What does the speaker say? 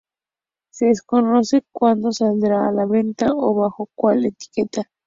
Se desconoce cuando saldrá a la venta o bajo cuál etiqueta.